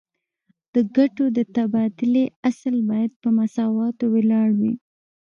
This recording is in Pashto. د ګټو د تبادلې اصل باید په مساواتو ولاړ وي